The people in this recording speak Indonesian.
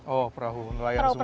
oh perahu nelayan semua